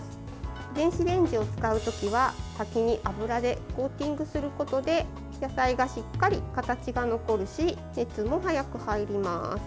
電子レンジを使う時は先に油でコーティングすることで野菜がしっかり形が残るし熱も早く入ります。